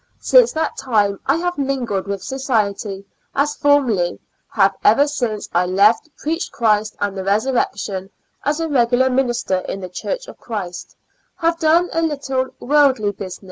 Since that time I have mingled with society as formerly, have ever since I left preached Christ and the Resurrection as a regular minister in the church of Christ, have done a little worldly busi Preface.